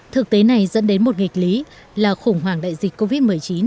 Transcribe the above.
thực tế này dẫn đến một nghịch lý là khủng hoảng đại dịch covid một mươi chín